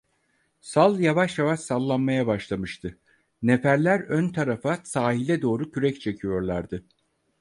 Sal yavaş yavaş sallanmaya başlamıştı, neferler ön tarafta sahile doğru kürek çekiyorlardı.